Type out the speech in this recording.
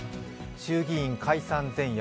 衆議院解散前夜